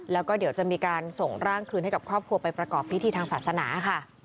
แล้วก็เดี๋ยวจะมีการส่งร่างคืนให้กับครอบครัวไปประกอบพิธีทางศาสนาค่ะ